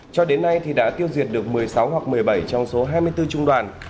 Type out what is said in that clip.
cho đến nay thì đã tiêu diệt được một mươi sáu hoặc một mươi bảy trong số hai mươi bốn trung đoàn